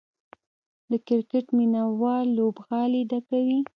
د کرکټ مینه وال لوبغالي ډکوي.